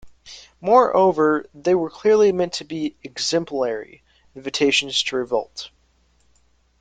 Moreover, they were clearly meant to be "exemplary" invitations to revolt.".